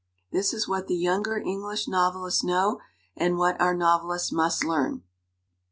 This is what the younger English novelists know and what our novelists must learn.